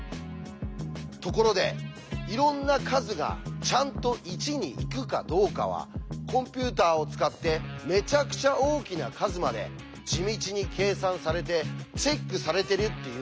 ところでいろんな数がちゃんと１に行くかどうかはコンピューターを使ってめちゃくちゃ大きな数まで地道に計算されてチェックされてるっていうんです。